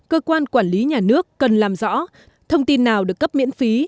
cơ quan quản lý nhà nước cần làm rõ thông tin nào được cấp miễn phí